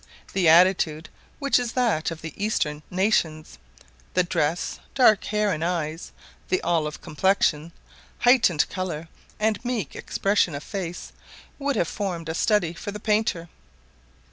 The attitude, which is that of the Eastern nations; the dress, dark hair and eyes, the olive complexion, heightened colour, and meek expression of face, would have formed a study for a painter.